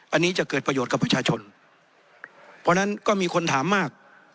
อันนี้จะเกิดประโยชน์กับประชาชนเพราะฉะนั้นก็มีคนถามมาก